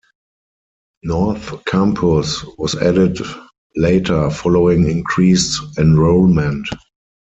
North Campus was added later following increased enrollment.